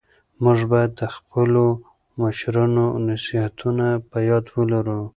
موږ بايد د خپلو مشرانو نصيحتونه په ياد ولرو.